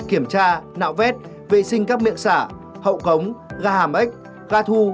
kiểm tra nạo vét vệ sinh các miệng xả hậu cống ga hàm ếch ga thu